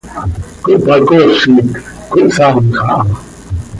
Cohpacoozit, cohsaamx aha.